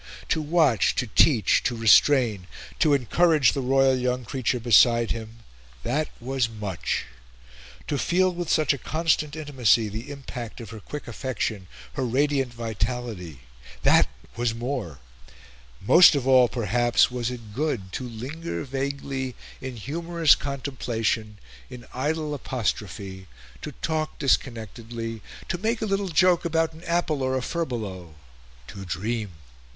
To watch, to teach, to restrain, to encourage the royal young creature beside him that was much; to feel with such a constant intimacy the impact of her quick affection, her radiant vitality that was more; most of all, perhaps, was it good to linger vaguely in humorous contemplation, in idle apostrophe, to talk disconnectedly, to make a little joke about an apple or a furbelow, to dream.